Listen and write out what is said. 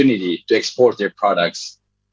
untuk mengekspor produk mereka